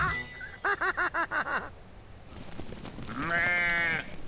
アハハハハ！